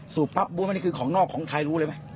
สูบปั๊บบ้วนนี่คือของนอกของใครรู้เลยไหม